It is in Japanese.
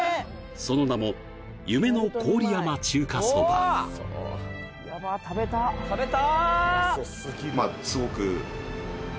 その名も夢の郡山中華そばやば食べたっ・食べた！